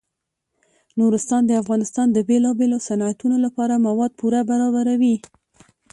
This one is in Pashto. نورستان د افغانستان د بیلابیلو صنعتونو لپاره مواد پوره برابروي.